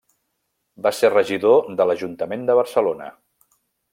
Va ser regidor de l'Ajuntament de Barcelona.